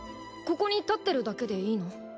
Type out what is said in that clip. ここに立ってるだけでいいの？